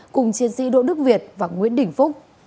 cùng chiến sĩ đỗ đức việt và nguyễn đình phúc